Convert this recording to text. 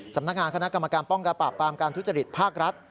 สำนักงานคณะกรรมการป้องกันปราบปรามการทุจริตภาครัฐ